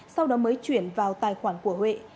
sau đó mới chuyển vào tài khoản của huệ